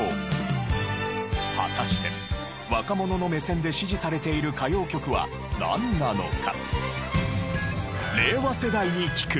果たして若者の目線で支持されている歌謡曲はなんなのか？